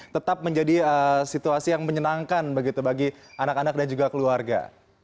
tetap menjadi situasi yang menyenangkan begitu bagi anak anak dan juga keluarga